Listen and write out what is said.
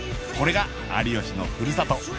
これが有吉のふるさと